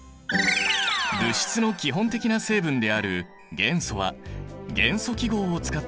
物質の基本的な成分である元素は元素記号を使って表す。